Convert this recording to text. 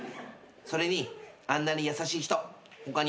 それにあんなに優しい人他にいないので。